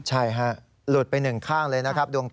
ใช่ฮะหลุดไปหนึ่งข้างเลยนะครับ